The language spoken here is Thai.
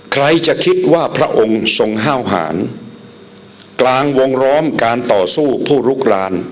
ใครจะคิดว่าพระองค์ทรงห้าวหารกลางวงล้อมการต่อสู้ผู้ลุกราน